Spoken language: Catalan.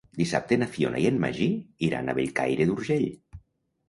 Dissabte na Fiona i en Magí iran a Bellcaire d'Urgell.